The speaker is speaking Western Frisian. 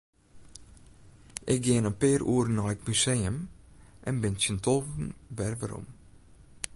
Ik gean in pear oeren nei it museum en bin tsjin tolven wer werom.